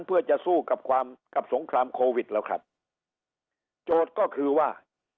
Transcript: เพื่อจะสู้กับความกับสงครามโควิดแล้วครับโจทย์ก็คือว่า